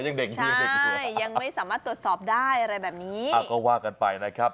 ยังเด็กอยู่ยังไม่สามารถตรวจสอบได้อะไรแบบนี้